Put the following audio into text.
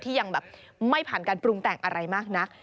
ยังแบบไม่ผ่านการปรุงแต่งอะไรมากนัก